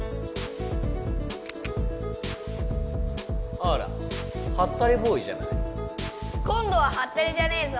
あらハッタリボーイじゃない？今度はハッタリじゃねえぞ！